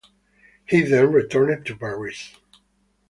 He then returned to Paris.